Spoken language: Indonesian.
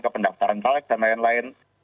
pendaftaran caleg dan lain lain